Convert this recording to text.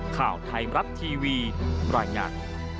ข่าวไทยมรัฐทีวีรายงาน